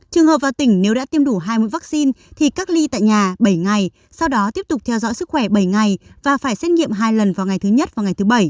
trường hợp vào tỉnh nếu đã tiêm đủ hai mươi vaccine thì cách ly tại nhà bảy ngày sau đó tiếp tục theo dõi sức khỏe bảy ngày và phải xét nghiệm hai lần vào ngày thứ nhất và ngày thứ bảy